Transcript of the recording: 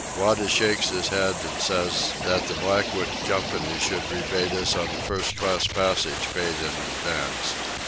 Wada shakes his head and says that the Blackwood Company should rebate us on the first class passage paid in advance.